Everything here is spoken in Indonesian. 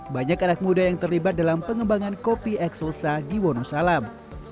banyak anak muda yang terlibat dalam pengembangan kopi ekselsa di wonosalam